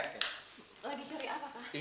lagi cari apa pak